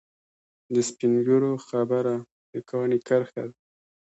د سپین ږیرو خبره د کاڼي کرښه ده.